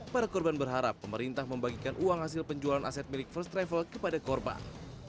para korban berharap pemerintah membagikan uang hasil penjualan aset milik first travel kepada korban